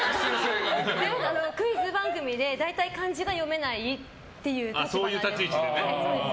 クイズ番組で大体、漢字が読めないっていう立場なんです。